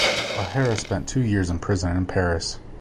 O'Hara spent two years in prison in Paris.